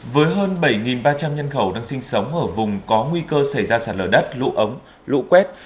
với hơn bảy ba trăm linh nhân khẩu đang sinh sống ở vùng có nguy cơ xảy ra sạt lở đất lũ ống lũ quét